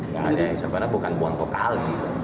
gak ada yang sebenarnya bukan buang kok alih